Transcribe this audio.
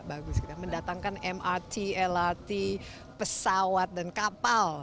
bagus kita mendatangkan mrt lrt pesawat dan kapal